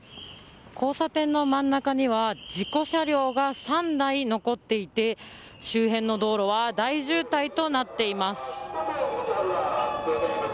交差点の真ん中には事故車両が３台残っていて周辺の道路は大渋滞となっています。